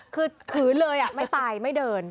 คือขืนเลยไม่ไปไม่เดิน